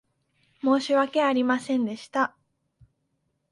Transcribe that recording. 申し訳ありませんでした。